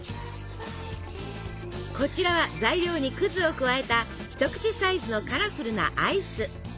こちらは材料に葛を加えた一口サイズのカラフルなアイス。